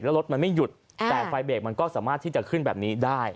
แล้วรถมันไม่หยุดแต่ไฟเบรกมันก็สามารถที่จะขึ้นแบบนี้ได้